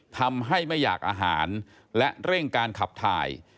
ไม่อยากอาหารและเร่งการขับถ่าย